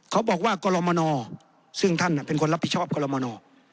เขาบอกว่ากรมนซึ่งท่านเป็นคนรับผิดชอบกรมน